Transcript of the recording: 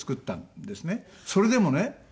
それでもね５０